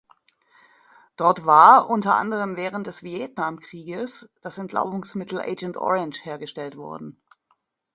Dort war unter anderem während des Vietnamkrieges das Entlaubungsmittel Agent Orange hergestellt worden.